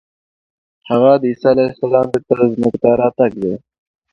هغه د عیسی علیه السلام بېرته ځمکې ته راتګ دی.